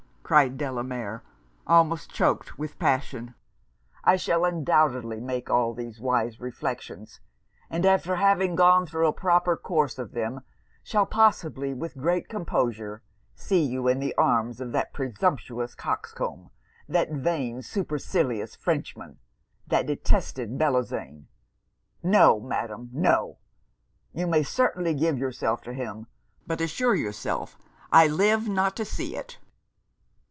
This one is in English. cried Delamere, almost choaked with passion 'I shall undoubtedly make all these wise reflections; and after having gone thro' a proper course of them, shall, possibly, with great composure, see you in the arms of that presumptuous coxcomb that vain, supercilious Frenchman! that detested Bellozane! No, Madam! no! you may certainly give yourself to him, but assure yourself I live not to see it!'